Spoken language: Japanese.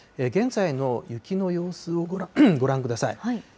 現在の雪の様子をご覧ください。